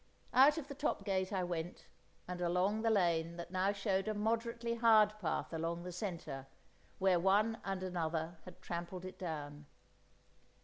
Out of the top gate I went, and along the lane that now showed a moderately hard path along the centre, where one and another had trampled it down.